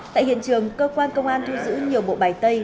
tại hiện trường cơ quan công an thu giữ nhiều bộ bài tay